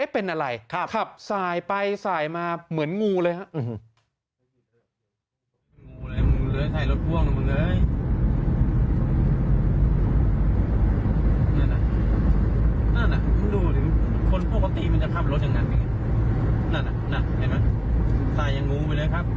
เป็นอะไรขับสายไปสายมาเหมือนงูเลยครับ